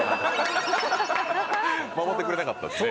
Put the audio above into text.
守ってくれなかったんですね。